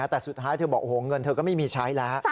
แต่สุดท้ายเธอบอกโอ้โหเงินเธอก็ไม่มีใช้แล้ว